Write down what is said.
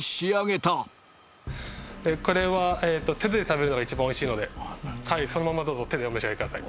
これは手で食べるのが一番おいしいのではいそのままどうぞ手でお召し上がりください